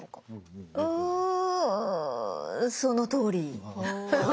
んそのとおり！